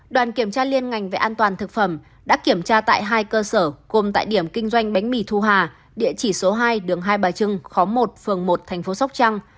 đoàn kiểm tra liên ngành về an toàn thực phẩm đã kiểm tra tại hai cơ sở gồm tại điểm kinh doanh bánh mì thu hà địa chỉ số hai đường hai bà trưng khóm một phường một thành phố sóc trăng